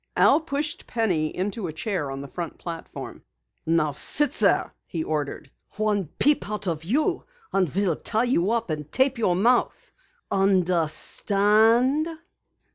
Al pushed Penny into a chair on the front platform. "Now sit there," he ordered. "One peep out of you and we'll tie you up and tape your mouth. Understand?"